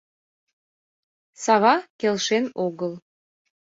Сава келшен огыл.